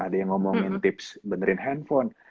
ada yang ngomongin tips benerin handphone